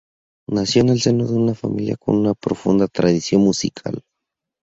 Nació en el seno de una familia con una profunda tradición musical.